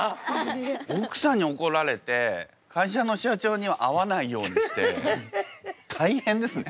奥さんにおこられて会社の社長には会わないようにして大変ですね。